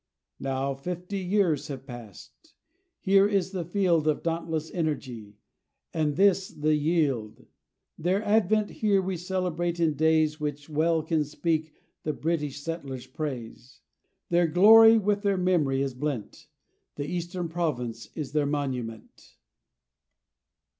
Now fifty years have passed. Here is the field Of dauntless energy, and this the yield; Their advent here we celebrate in days Which well can speak the British settler's praise, Their glory with their memory is blent, THE EASTERN PROVINCE IS THEIR MONUMENT.